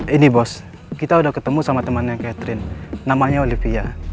ini bos kita udah ketemu sama temannya catherine namanya olivia